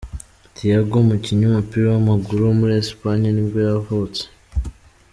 Thiago, umukinnyi w’umupira w’amaguru wo muri Espagne ni bwo yavutse.